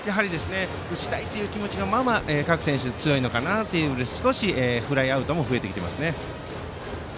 打ちたいという気持ちがまあまあ各選手強いのかなとなので、少しフライアウトが増えてきていますね。